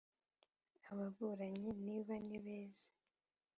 ababuranyi niba ni beza